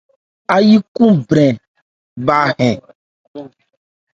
Áyí khúúnbrɛn bha hɛ́n.